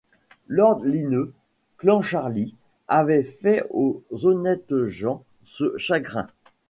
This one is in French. Lord Linnœus Clancharlie avait fait aux honnêtes gens ce chagrin.